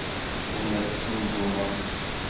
Ur la tettnuddumeḍ.